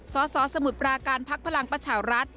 สสสสมุทรปราการพักพลังประชารัฐ